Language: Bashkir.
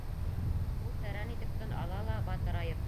Ул тәрән итеп тын ала ла батырайып: